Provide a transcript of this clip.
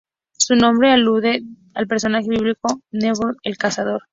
Su nombre alude al personaje bíblico Nemrod, el cazador.